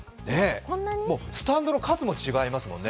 スタンドの数も違いますもんね。